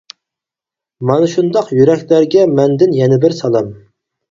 مانا شۇنداق يۈرەكلەرگە مەندىن يەنە بىر سالام!